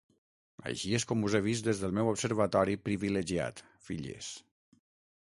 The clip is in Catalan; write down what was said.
Així és com us he vist des del meu observatori privilegiat, filles.